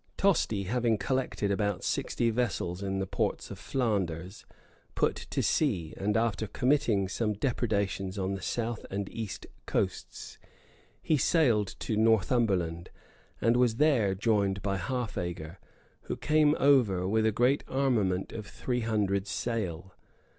Tosti, having collected about sixty vessels in the ports of Flanders, put to sea; and after committing some depredations on the south and east coasts, he sailed to Northumberland, and was there joined by Halfager, who came over with a great armament of three hundred sail.